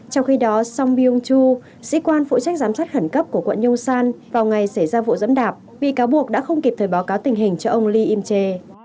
trong khi đó song biong chu sĩ quan phụ trách giám sát khẩn cấp của quận nhung san vào ngày xảy ra vụ dẫm đạp bị cáo buộc đã không kịp thời báo cáo tình hình cho ông lee inche